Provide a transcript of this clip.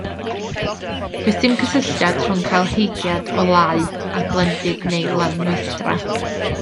Does dim cysylltiad rhwng cael heigiad o lau a glendid neu lanweithdra.